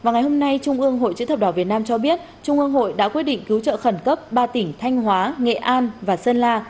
ngày hôm nay trung ương hội chữ thập đỏ việt nam cho biết trung ương hội đã quyết định cứu trợ khẩn cấp ba tỉnh thanh hóa nghệ an và sơn la